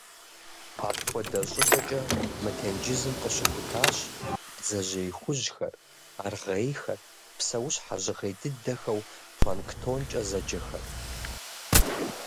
Апхуэдэ щӀыкӀэкӀэ мы тенджызым къыщыхутащ бдзэжьей хужьхэр, аргъейхэр, псэущхьэ жьгъей дыдэхэу «планктонкӀэ» зэджэхэр.